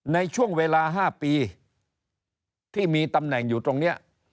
ในช่วงเวลา๕ปีที่มีตำแหน่งอยู่ตรงนี้